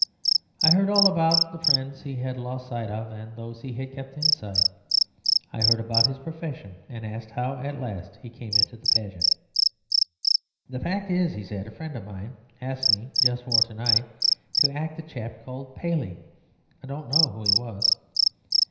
I heard all about the friends he had lost sight of and those he had kept in sight; I heard about his profession, and asked at last how he came into the pageant. "The fact is," he said, "a friend of mine asked me, just for to night, to act a chap called Paley; I don't know who he was...."